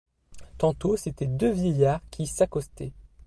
Tantôt c'étaient deux vieillards qui s'accostaient.